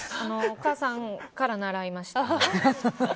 お母さんから習いました。